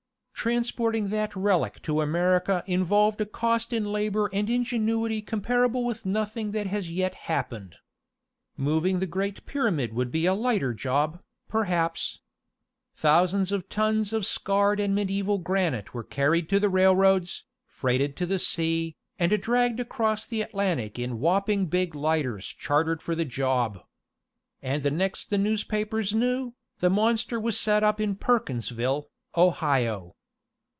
"Transporting that relic to America involved a cost in labor and ingenuity comparable with nothing that has yet happened. Moving the Great Pyramid would be a lighter job, perhaps. Thousands of tons of scarred and medieval granite were carried to the railroads, freighted to the sea, and dragged across the Atlantic in whopping big lighters chartered for the job. And the next the newspapers knew, the monster was set up in Perkinsville, Ohio."